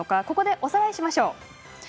ここでおさらいしましょう。